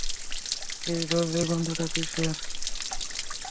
এই বাজে গন্ধটা কীসের?